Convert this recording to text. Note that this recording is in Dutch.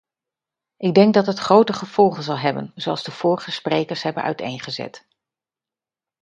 Ik denk dat het grote gevolgen zal hebben, zoals de vorige sprekers hebben uiteengezet.